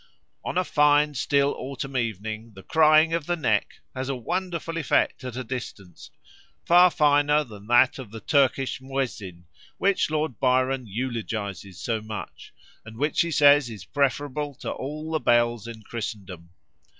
On a fine still autumn evening the 'crying of the neck' has a wonderful effect at a distance, far finer than that of the Turkish muezzin, which Lord Byron eulogises so much, and which he says is preferable to all the bells of Christendom.